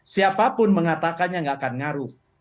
siapapun mengatakannya tidak akan mengaruh